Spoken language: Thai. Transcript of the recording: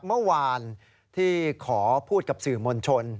เมื่อวานที่ขอพูดกับสื่อมวลชน